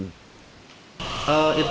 ketua pusat pengkulian kprt